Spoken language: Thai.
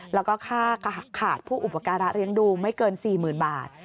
แล้วก็ค่าขาดผู้อุปการะเลี้ยงดูไม่เกิน๔๐๐๐บาท